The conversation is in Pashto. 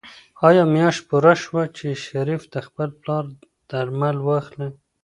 آیا میاشت پوره شوه چې شریف د خپل پلار درمل واخلي؟